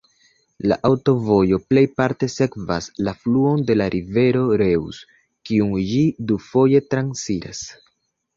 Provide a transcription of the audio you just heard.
La aŭtovojo plejparte sekvas la fluon de la rivero Reuss, kiun ĝi dufoje transiras.